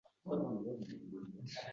Lekin shunga qaramasdan men ishladim.